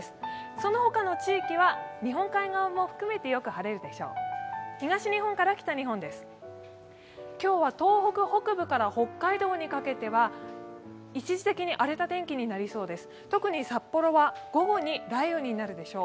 その他の地域は日本海側も含めてよく晴れるでしょう。